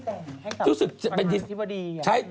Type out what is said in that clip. คนที่ทำให้กลางอธิบดี